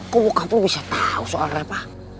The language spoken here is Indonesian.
kok bokap lu bisa tau soal reva